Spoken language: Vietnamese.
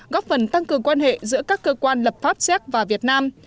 góp phần tăng cường quan hệ giữa các cơ quan lập pháp xác và việt nam